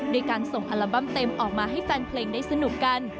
ด้วยการส่งอัลบั้มเต็มออกมาให้แฟนเพลงได้สนุกกัน